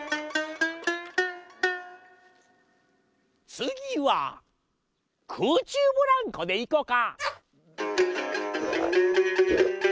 つぎはくうちゅうブランコでいこか。